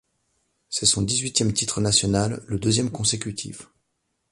C’est son dix-huitième titre national, le deuxième consécutif.